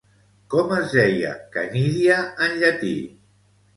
Com es deia Canídia en llatí?